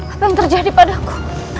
apa yang terjadi padaku